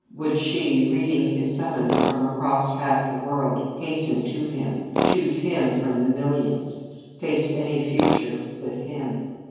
Would she, reading his summons from across half the world, hasten to him, choose him from the millions, face any future with him?